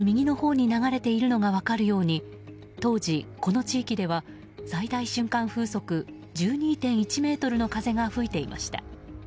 立ち上った煙が大きく右のほうに流れているのが分かるように当時、この地域では最大瞬間風速１２．１メートルの風が吹いていました。